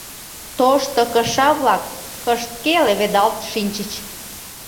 Тошто кыша-влак кыштке леведалт шинчыч.